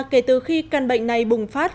kể từ khi căn bệnh này bùng phát